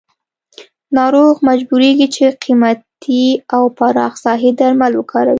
ناروغ مجبوریږي چې قیمتي او پراخ ساحې درمل وکاروي.